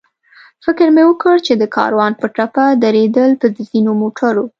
فکر مې وکړ چې د کاروان په ټپه درېدل به د ځینو موټرو.